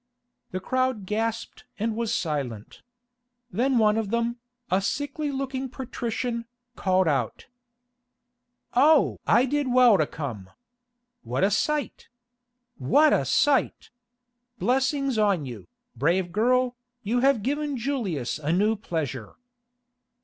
The crowd gasped and was silent. Then one of them, a sickly looking patrician, called out: "Oh! I did well to come. What a sight! What a sight! Blessings on you, brave girl, you have given Julius a new pleasure."